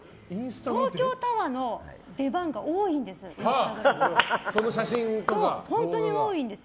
東京タワーの出番が多いんですよ